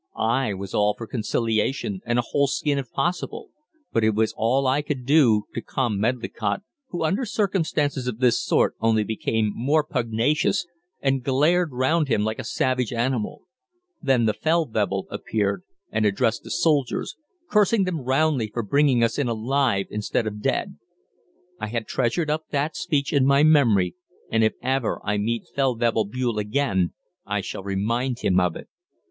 I was all for conciliation and a whole skin if possible, but it was all I could do to calm Medlicott, who under circumstances of this sort only became more pugnacious and glared round him like a savage animal. Then the Feldwebel appeared and addressed the soldiers, cursing them roundly for bringing us in alive instead of dead. I have treasured up that speech in my memory, and, if ever I meet Feldwebel Bühl again, I shall remind him of it.